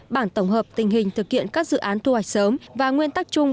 bản tổng hợp tình hình thực hiện các dự án thu hoạch sớm và nguyên tắc chung